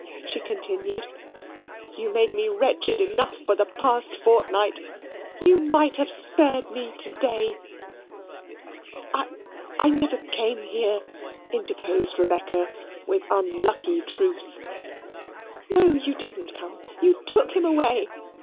she continued. "You made me wretched enough for the past fortnight: you might have spared me to day." "I I never came here," interposed Rebecca, with unlucky truth. "No. You didn't come. You took him away.